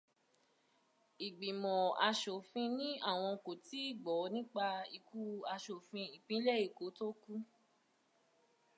Ìgbìmọ̀ aṣòfin ní àwọn kò tíì gbọ́ nípa ikú aṣòfin ìpínlẹ̀ Eko to kú